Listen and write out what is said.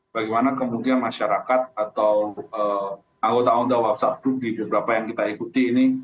bagaimana kemudian masyarakat atau anggota anggota whatsapp group di beberapa yang kita ikuti ini